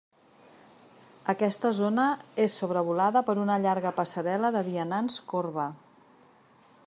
Aquesta zona és sobrevolada per una llarga passarel·la de vianants corba.